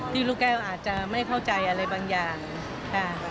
ลูกแก้วอาจจะไม่เข้าใจอะไรบางอย่างค่ะ